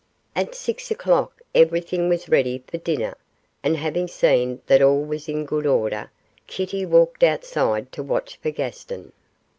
At six o'clock everything was ready for dinner, and having seen that all was in good order, Kitty walked outside to watch for Gaston.